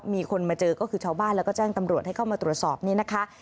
มีคนมาเจอก็คือชาวบ้านแล้วก็แจ้งตำรวจให้เข้ามาตรวจสอบนี่นะคะ